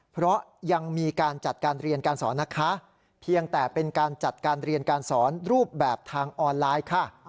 เพราะยังมีการจัดการเรียนการสอนนะคะเพียงแต่เป็นการจัดการเรียนการสอนรูปแบบทางออนไลน์ค่ะ